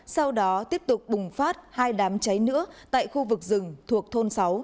sau đó tiếp tục bùng phát hai đám cháy nữa tại khu vực rừng thuộc thôn sáu